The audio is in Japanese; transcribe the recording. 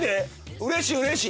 うれしいうれしい！